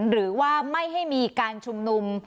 หรือว่าไม่ให้มีการชุมนุม